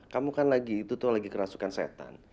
kamu kan lagi itu tuh lagi kerasukan setan